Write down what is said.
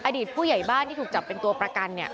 อดีตผู้ใหญ่บ้านที่ถูกจับเป็นตัวประกัน